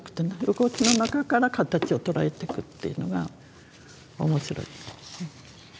動きの中からカタチを捉えてくっていうのが面白い。